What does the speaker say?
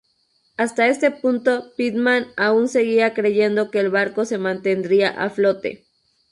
Hasta este punto, Pitman aún seguía creyendo que el barco se mantendría a flote.